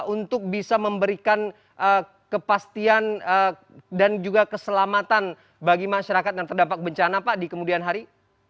untuk bisa memberikan kepastian dan juga keselamatan bagi masyarakat yang terdampak bencana pak di kemudian hari